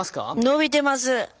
伸びてます。